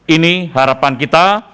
ini harapan kita